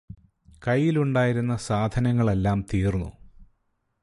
കയ്യിലുണ്ടായിരുന്ന സാധനങ്ങളെല്ലാം തീര്ന്നു